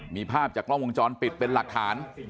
มีภาพจากกล้องวงจรปิดเป็นหลักฐาน